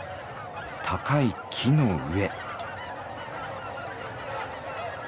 高い木の上。